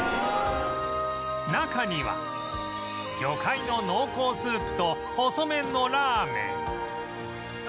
中には魚介の濃厚スープと細麺のラーメン